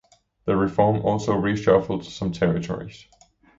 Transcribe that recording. The reform also reshuffled some territories.